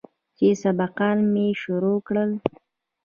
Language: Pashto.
چې سبقان مې شروع کړل.